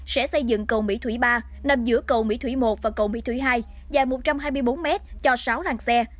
sẽ xây dựng cầu mỹ thủy ba nằm giữa cầu mỹ thủy một và cầu mỹ thủy hai dài một trăm hai mươi bốn m cho sáu làng xe